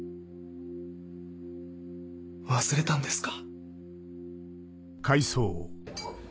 忘れたんですか？